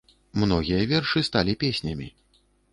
Многія вершы сталі песнямі.